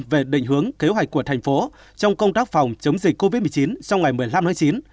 về định hướng kế hoạch của thành phố trong công tác phòng chống dịch covid một mươi chín trong ngày một mươi năm tháng chín